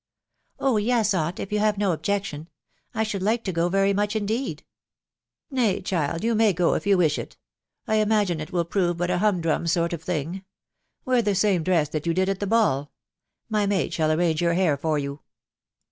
"Oh, yes, aunt, if you have no objection. .•• I should like to go very much indeed." " Nay, child, you may go if you wish it. ... I imagine it will prove but a humdrum sort of thing. ••. Wear the same dress that you did at the ball. ... My maid shall arrange your hair for you."